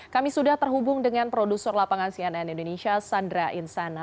kami sudah terhubung dengan produser lapangan cnn indonesia sandra insana